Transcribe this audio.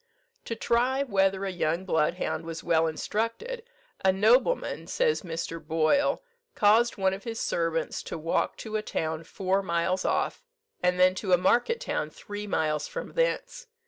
To try whether a young bloodhound was well instructed, a nobleman (says Mr. Boyle) caused one of his servants to walk to a town four miles off, and then to a market town three miles from thence.